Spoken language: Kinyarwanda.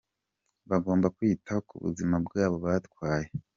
Bagomba kwita ku buzima bw’abo batwaye.